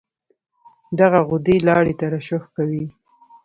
دغه غدې لاړې ترشح کوي.